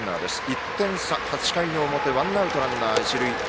１点差、８回の表ワンアウトランナー、一塁。